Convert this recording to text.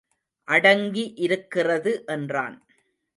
அடங்கி இருக்கிறது என்றான்.